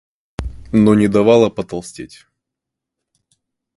но не давала потолстеть.